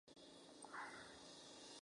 Vive en Sevilla y Salzburgo.